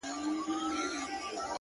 خو هغه ليونۍ وايي ـ